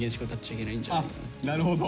なるほど！